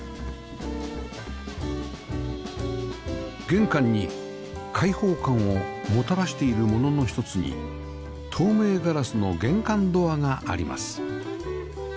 玄関に開放感をもたらしているものの一つに透明ガラスの玄関ドアがあります